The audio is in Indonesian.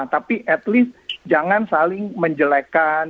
tapi at least jangan saling menjelekan